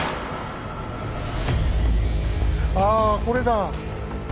ああこれだ。